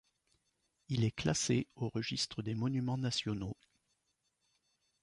Il est classé au registre des monuments nationaux.